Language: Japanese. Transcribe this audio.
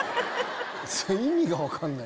意味が分かんない。